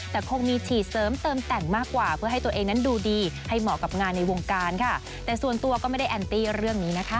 แต่คงมีฉีดเสริมเติมแต่งมากกว่าเพื่อให้ตัวเองนั้นดูดีให้เหมาะกับงานในวงการค่ะแต่ส่วนตัวก็ไม่ได้แอนตี้เรื่องนี้นะคะ